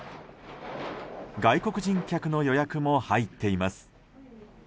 外国人客の予約も入っています。